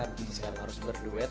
bisnis kan harus berduet